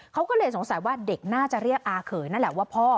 เขาก็เลยสงสัยว่าเด็กน่าจะเรียกอาเขยนั่นแหละว่าพ่อ